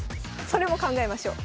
それも考えましょう。